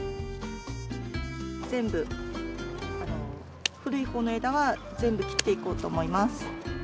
全部古いほうの枝は全部切っていこうと思います。